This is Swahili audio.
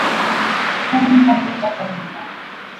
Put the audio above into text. kwenda bega kwa bega